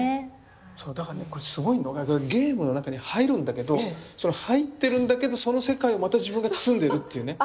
だからねこれすごいのがゲームの中に入るんだけど入ってるんだけどその世界をまた自分が包んでるっていうね。